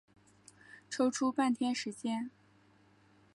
抽出半天的时间